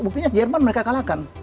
buktinya jerman mereka kalahkan